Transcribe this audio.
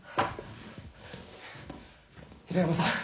平山さん